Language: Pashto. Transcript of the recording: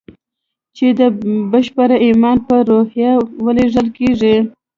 چې د بشپړ ايمان په روحيه ورلېږل کېږي.